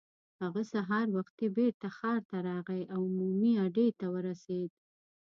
هغه سهار وختي بېرته ښار ته راغی او عمومي اډې ته ورسېد.